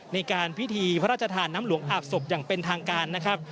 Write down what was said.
ในการพิธีพระราชทานน้ำหลวงอาบศพอย่างเป็นทางการนะครับ